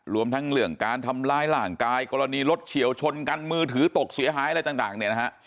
รวมทั้งเรื่องการทำร้ายร่างกายกรณีรถเฉียวชนกันมือถือตกเสียหายอะไรต่างเนี่ยนะฮะ